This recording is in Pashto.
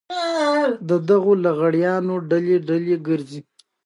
د دغو لغړیانو ډلې ډلې ګرځي.